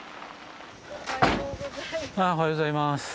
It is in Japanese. おはようございます。